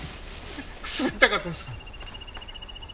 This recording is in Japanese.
くすぐったかったですか？